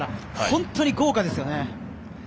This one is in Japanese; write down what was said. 本当に豪華ですね。